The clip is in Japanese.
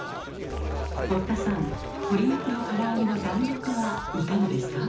堀田さん鶏肉のから揚げの弾力はいかがですか？